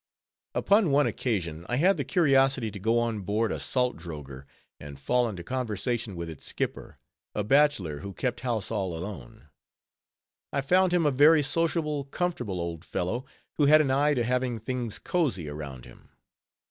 Upon one occasion, I had the curiosity to go on board a salt drogher, and fall into conversation with its skipper, a bachelor, who kept house all alone. I found him a very sociable, comfortable old fellow, who had an eye to having things cozy around him.